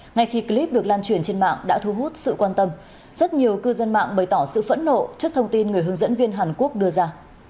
ngay khi clip được lan truyền trên mạng đã thu hút sự quan tâm rất nhiều cư dân mạng bày tỏ sự phẫn nộ trước thông tin người hướng dẫn viên hàn quốc đưa ra